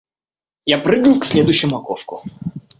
Я прыгаю к следующему окошку.